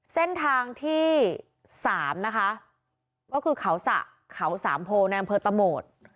เส้นทางที่สามนะคะก็คือเขาสะเขาสามโพลในอำเภอตะโหมด